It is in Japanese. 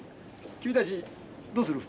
君たちどうする？